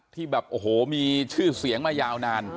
ที่แบบโอ้โหมีชื่อเสียงมายาวนาน